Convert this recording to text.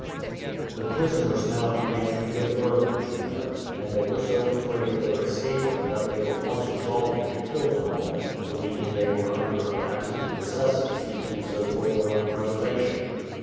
The prisoners now began to be a burden to them; and they were so afraid of their escaping, that they were once resolving to kill them all, believing they were under an absolute necessity to do so for their own preservation.